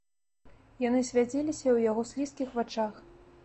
Яны свяціліся ў яго слізкіх вачах.